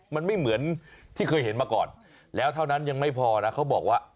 มันไม่เหมือนที่เคยเห็นมาก่อนแล้วเท่านั้นยังไม่พอนะเขาบอกว่า